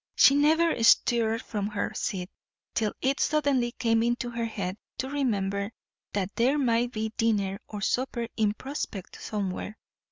She never stirred from her seat, till it suddenly came into her head to remember that there might be dinner or supper in prospect somewhere.